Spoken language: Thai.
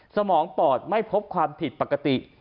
สมองปอดไม่พบความผิดปกติ